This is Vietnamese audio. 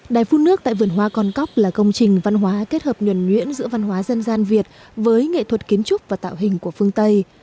đài phun nước tại vườn hoa còn cóc là công trình văn hóa kết hợp nhuẩn nhuyễn giữa văn hóa dân gian việt với nghệ thuật kiến trúc và tạo hình của phương tây